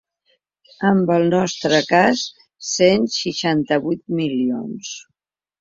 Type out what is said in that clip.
En el nostre cas, cent seixanta-vuit milions.